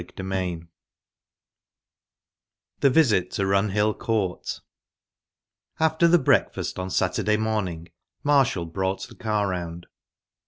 Chapter II THE VISIT TO RUNHILL COURT After the breakfast on Saturday morning, Marshall brought the car round.